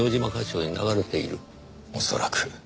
恐らく。